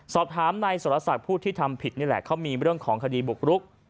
สอบถามนายสรศักดิ์ผู้ที่ทำผิดนี่แหละเขามีเรื่องของคดีบุกรุก